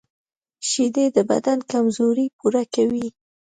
شیدې د بدن کمزوري پوره کوي